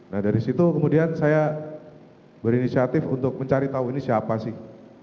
nah dari situ kemudian saya berinisiatif untuk mencari tahu ini siapa sih